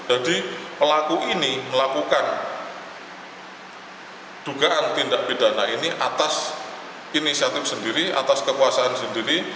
jadi pelaku ini melakukan dugaan tindak bedana ini atas inisiatif sendiri atas kekuasaan sendiri